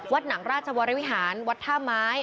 วัดหนังราชวรรย์วิหารวัดท่าไม้